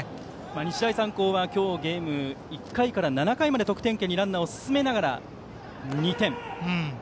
日大三高は今日ゲーム１回から７回まで得点圏にランナーを進めながら２点。